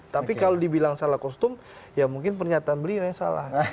tapi kalau dibilang salah kostum ya mungkin pernyataan beliau yang salah